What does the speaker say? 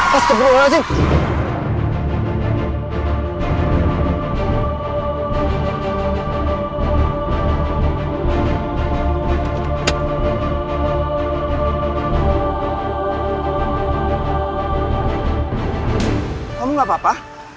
kamu gak apa apa